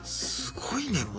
すごいね。